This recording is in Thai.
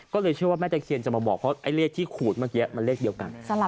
ก็เลยเชื่อว่าแม่ตะเคียนจะมาบอกเพราะไอ้เลขที่ขูดเมื่อกี้มันเลขเดียวกัน